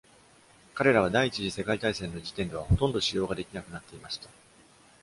彼らは第一次世界大戦の時点ではほとんど使用が出来なくなっていました。